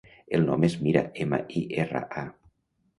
El nom és Mira: ema, i, erra, a.